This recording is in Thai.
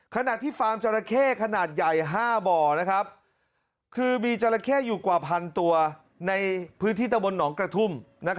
ขณะที่ฟาร์มจราเข้ขนาดใหญ่๕บ่อคือมีจราเข้อยู่กว่าพันตัวในพื้นที่ตะบนหนองกระทุ่ม